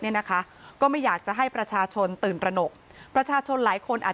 เนี่ยนะคะก็ไม่อยากจะให้ประชาชนตื่นตระหนกประชาชนหลายคนอาจ